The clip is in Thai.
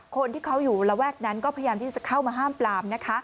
คนที่เขาอยู่ระแวกนั้นก็พยายามที่จะเข้ามาห้ามปลามนะคะ